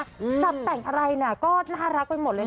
อืมสวัสดิ์แต่งอะไรเนี่ยก็น่ารักไปหมดแล้วนะฮะ